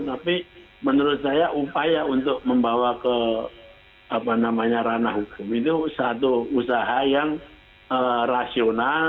tapi menurut saya upaya untuk membawa ke apa namanya ranah hukum itu satu usaha yang rasional